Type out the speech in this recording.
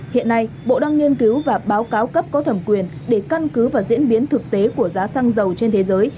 hiện nay bộ đang nghiên cứu và báo cáo cấp có thẩm quyền để căn cứ vào diễn biến thực tế của giá xăng dầu trên thế giới